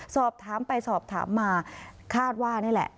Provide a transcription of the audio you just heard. สอบถามไปสอบถามมาคาดว่านี่แหละ